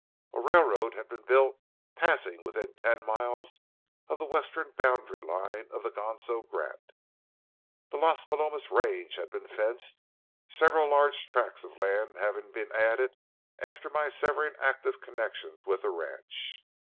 A railroad had been built, passing within ten miles of the western boundary line of the Ganso grant. The Las Palomas range had been fenced, several large tracts of land being added after my severing active connections with the ranch.